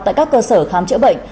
tại các cơ sở khám chữa bệnh